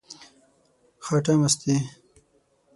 خټه مستې،